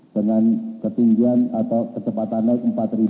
dengan ketinggian atau kecepatan naik empat ribu